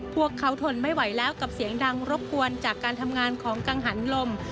พวกเขาทนไม่ไหวแล้วกับเสียงดังรบกวนจากการทำงานของกังหันลม